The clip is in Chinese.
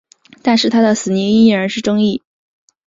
但是他的死因依然是争议。